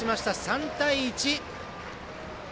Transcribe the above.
３対１。